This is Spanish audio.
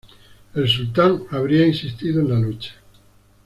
El sultán habría insistido en la lucha.